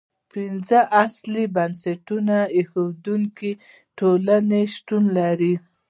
پنځه اصلي بنسټ ایښودونکې ټولنې شتون لري.